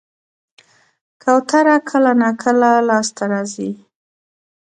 کوتره کله ناکله لاس ته راځي.